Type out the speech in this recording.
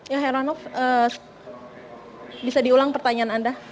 ya heranov bisa diulang pertanyaan anda